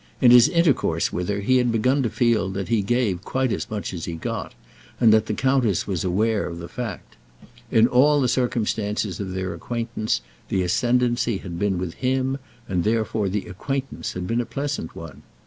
In his intercourse with her he had been able to feel that he gave quite as much as he got, and that the countess was aware of the fact. In all the circumstances of their acquaintance the ascendancy had been with him, and therefore the acquaintance had been a pleasant one.